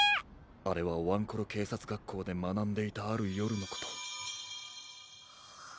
あれはワンコロけいさつがっこうでまなんでいたあるよるのこと。